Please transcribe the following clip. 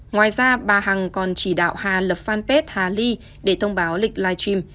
ngoài ra bà hằng còn chỉ đạo hà lập fanpage hà ly để thông báo lịch live stream